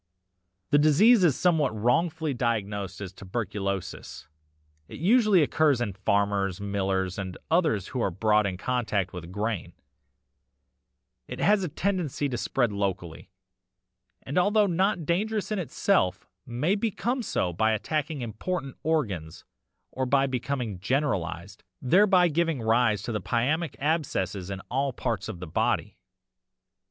"'The disease is sometimes wrongfully diagnosed as tuberculosis; it usually occurs in farmers, millers, and others who are brought in contact with grain; it has a tendency to spread locally, and although not dangerous in itself, may become so by attacking important organs or by becoming generalised, thereby giving rise to pyæmic abscesses in all parts of the body.